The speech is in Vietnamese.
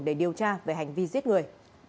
để điều tra về hành vi giết người